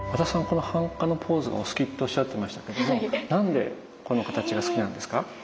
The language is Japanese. この半跏のポーズがお好きっておっしゃってましたけども何でこの形が好きなんですか？